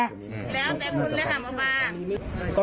แล้วแต่คุณเลยหังมาปลา